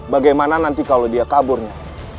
bagaimana nanti kalau dia kaburnya